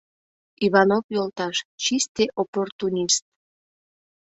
— Иванов йолташ — чисте оппортунист.